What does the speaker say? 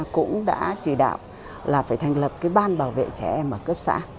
cũng đã chỉ đạo là phải thành lập cái ban bảo vệ trẻ em ở cấp xã